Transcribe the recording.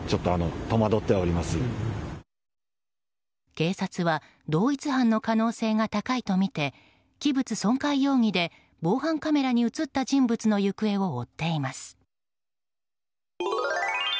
警察は同一犯の可能性が高いとみて器物損壊容疑で防犯カメラに映った人物の行方を追っています。